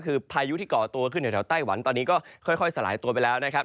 คือพายุที่ก่อตัวขึ้นแถวไต้หวันตอนนี้ก็ค่อยสลายตัวไปแล้วนะครับ